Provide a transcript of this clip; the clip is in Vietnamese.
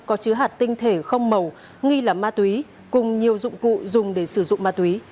có chứa hạt tinh thể không màu nghi là ma túy cùng nhiều dụng cụ dùng để sử dụng ma túy